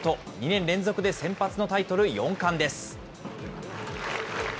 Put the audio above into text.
２年連続で先発のタイトル４冠です。